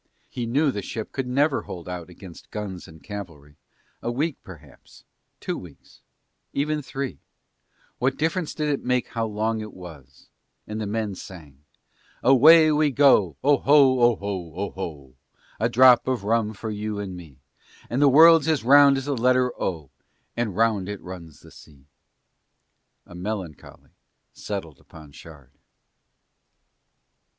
He knew that the ship could never hold out against guns and cavalry, a week perhaps, two weeks, even three: what difference did it make how long it was, and the men sang: Away we go, Oho, Oho, Oho, A drop of rum for you and me And the world's as round as the letter O And round it runs the sea. A melancholy settled down on Shard.